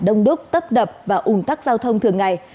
đông đúc tấp đập và ủn tắc giao thông thường ngày